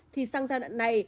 thì sang giai đoạn này